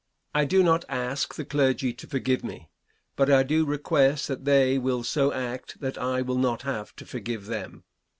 I do not ask the clergy to forgive me, but I do request that they will so act that I will not have to forgive them.